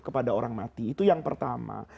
kepada orang mati itu yang pertama